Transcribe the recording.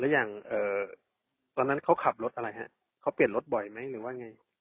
อย่างตอนนั้นเขาขับรถอะไรฮะเขาเปลี่ยนรถบ่อยไหมหรือว่าไง